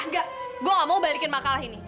enggak gue gak mau balikin makalah ini